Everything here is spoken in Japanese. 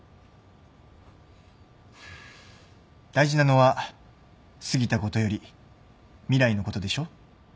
大事なのは過ぎたことより未来のことでしょ？